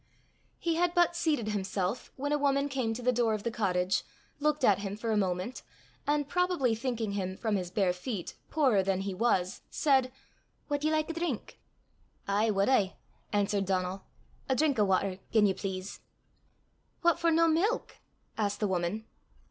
He had but seated himself when a woman came to the door of the cottage, looked at him for a moment, and probably thinking him, from his bare feet, poorer than he was, said "Wad ye like a drink?" "Ay, wad I," answered Donal, " a drink o' watter, gien ye please." "What for no milk?" asked the woman.